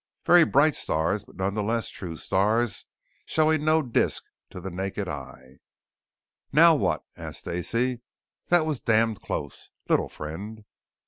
Very bright stars, but none the less true stars showing no disc to the naked eye. "Now what?" asked Stacey. "That was damned close, Little Friend."